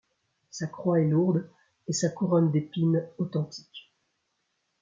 Sa croix est lourde et sa couronne d'épines authentique.